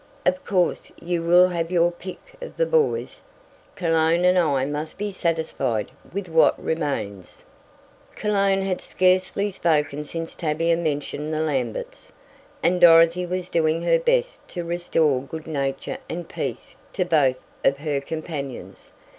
Of course you will have your pick of the boys, Cologne and I must be satisfied with what remains." Cologne had scarcely spoken since Tavia mentioned the Lamberts, and Dorothy was doing her best to restore good nature and peace to both of her companions.